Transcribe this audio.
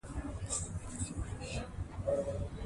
دا ولایتونه د چاپیریال د مدیریت لپاره مهم دي.